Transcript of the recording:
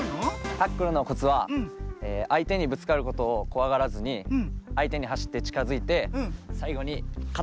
タックルのコツはあいてにぶつかることをこわがらずにあいてにはしってちかづいてさいごにかたで。